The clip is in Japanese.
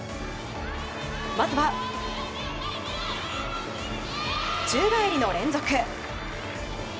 まずは、宙返りの連続。